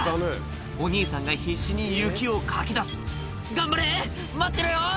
お兄さんが必死に雪をかき出す「頑張れ待ってろよ！」